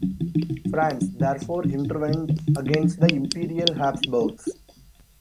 France therefore intervened against the Imperial Habsburgs.